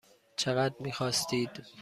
چقدر میخواستید؟